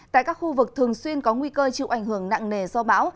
tại các khu vực thường xuyên có nguy cơ chịu ảnh hưởng nặng nề do bão